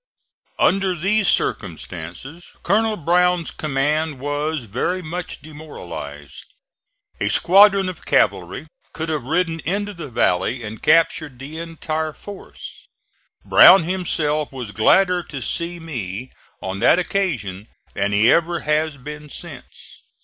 Under these circumstances Colonel Brown's command was very much demoralized. A squadron of cavalry could have ridden into the valley and captured the entire force. Brown himself was gladder to see me on that occasion than he ever has been since.